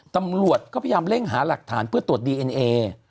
ตำรวจก็พยายามเร่งหาหลักฐานเพื่อตรวจดีเอ็นเอ